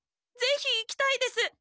ぜひ行きたいです！